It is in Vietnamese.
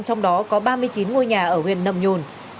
trong đó có ba mươi chín ngôi nhà ở huyện nâm nhôn